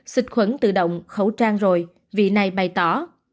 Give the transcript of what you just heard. xịt khuẩn tự động khẩu trang rồi vị này bày tỏ